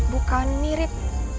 rik dari ries